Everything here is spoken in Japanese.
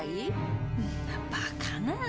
そんなバカな。